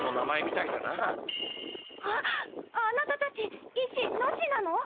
あっあなたたち「いしのし」なの！？